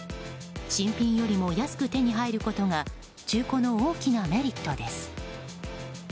新品よりも安く手に入ることが中古の大きなメリットです。